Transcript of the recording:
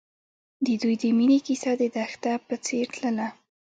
د دوی د مینې کیسه د دښته په څېر تلله.